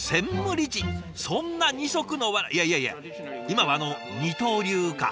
そんな二足のわらいやいやいや今はあの二刀流か。